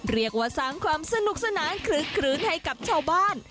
เรียกว่าสร้างความสนุกสนานคลึกคลื้นให้กับชาวบ้าน